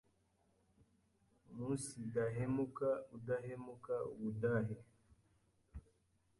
Umunsidahemuka udahemuka Ubudahe